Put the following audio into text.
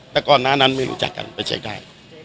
แต่ก่อนหน้านั้นไม่รู้จักกันไปเช็คได้